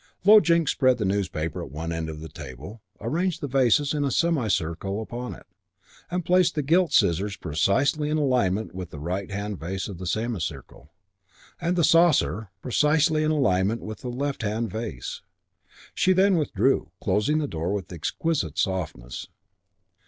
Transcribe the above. Low Jinks spread the newspaper at one end of the table, arranged the vases in a semicircle upon it, and placed the gilt scissors precisely in alignment with the right hand vase of the semicircle, and the saucer (for the stalk ends) precisely in alignment with the left hand vase. She then withdrew, closing the door with exquisite softness.